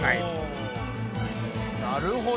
なるほど。